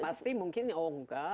yang pasti mungkin oh enggak